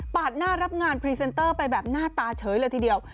หน้ารับงานพรีเซนเตอร์ไปแบบหน้าตาเฉยเลยทีเดียว